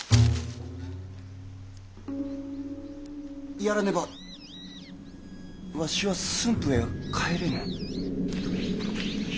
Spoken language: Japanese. やらねばわしは駿府へは帰れぬ。